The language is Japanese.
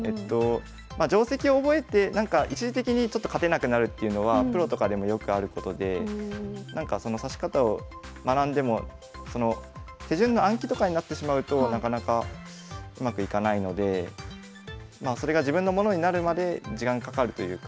定跡を覚えて一時的に勝てなくなるっていうのはプロとかでもよくあることで指し方を学んでも手順の暗記とかになってしまうとなかなかうまくいかないのでまあそれが自分のものになるまで時間かかるというか。